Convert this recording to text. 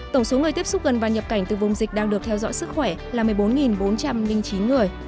tổng số người tiếp xúc gần và nhập cảnh từ vùng dịch đang được theo dõi sức khỏe là một mươi bốn bốn trăm linh chín người